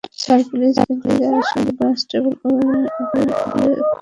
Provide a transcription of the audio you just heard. Sir, please এদিকে আসুন, constable ওকে এক্ষুনি সেলে ডুকাও।